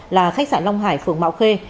là khách sạn long hải phường mạo khê